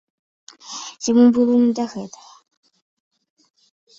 Яму было не да гэтага.